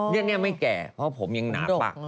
เรื่องนี้ไม่แก่เพราะผมยังหนาป่ะ